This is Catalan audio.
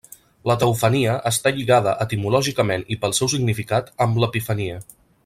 La teofania està lligada, etimològicament i pel seu significat, amb l'epifania.